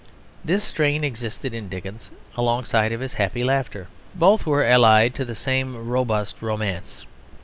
This strain existed in Dickens alongside of his happy laughter; both were allied to the same robust romance.